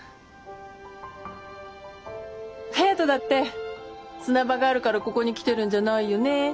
颯人だって砂場があるからここに来てるんじゃないよね？